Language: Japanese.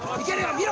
見ろ！